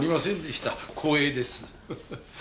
光栄です。